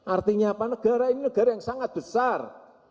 artinya apa negara ini negara yang sangat besar